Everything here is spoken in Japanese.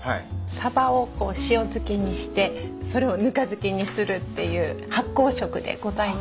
サバを塩漬けにしてそれをぬか漬けにするっていう発酵食でございます。